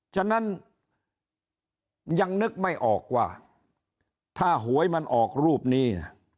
ฉะนั้นยังนึกไม่ออกว่าถ้าหวยมันออกรูปนี้